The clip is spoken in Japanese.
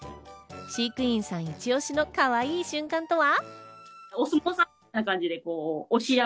飼育員さんイチ押しのかわいい瞬間とは？